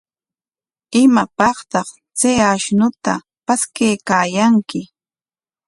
¿Imapaqtaq chay ashnuta paskaykaayanki?